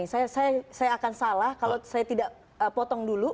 saya akan salah kalau saya tidak potong dulu